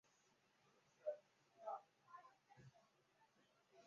玩家的头像是可编辑名字的褐肤黑发的年轻人。